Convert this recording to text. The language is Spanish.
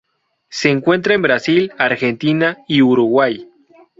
Se encuentra en Brasil, Argentina y Uruguay.